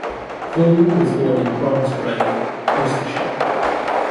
Poole was born in Bromsgrove, Worcestershire.